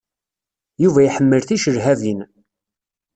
Yuba iḥemmel ticelhabin.